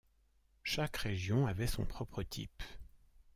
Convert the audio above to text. Chaque région avait son propre type.